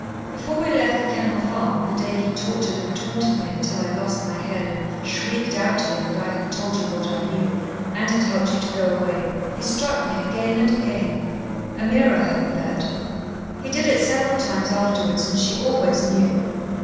Before we left The Kennel Farm, the day he tortured and taunted me until I lost my head and shrieked out to him that I had told you what I knew, and had helped you to go away, he struck me again and again. Ameerah heard that. He did it several times afterwards, and she always knew.